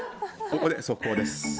ここで速報です。